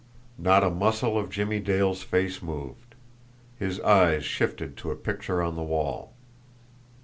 Not a muscle of Jimmie Dale's face moved. His eyes shifted to a picture on the wall.